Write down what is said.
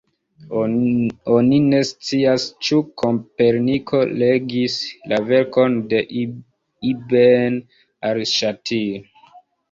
Oni ne scias ĉu Koperniko legis la verkon de ibn al-Ŝatir.